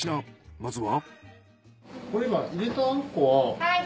まずは。